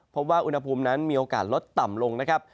พบว่าอุณหภูมินั้นมีโอกาสลดต่ำลงนะครับ